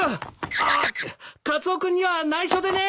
あっカツオ君には内緒でね！